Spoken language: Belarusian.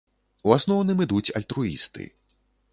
У асноўным ідуць альтруісты.